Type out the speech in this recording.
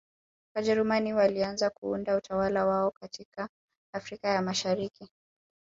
Wajerumani walianza kuunda utawala wao katika Afrika ya Mashariki